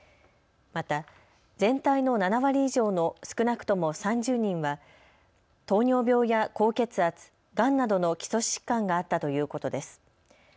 また、全体の７割以上の少なくとも３０人は糖尿病や高血圧、がんなどの基礎疾患があったということです。